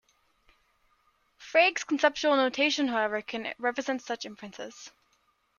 Frege's "conceptual notation" however can represent such inferences.